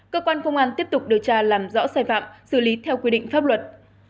cơ quan công an tiếp tục điều tra làm rõ sai phạm xử lý theo quy định pháp luật